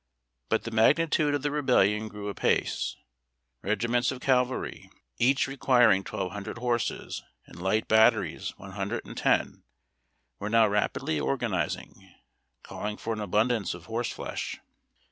But the magnitude of the Rebellion grew apace. Regiments of cavalry, each requiring twelve hundred horses, and. light batteries one hundred and ten, were now rapidly organizing, calling for an abundance of horse flesh.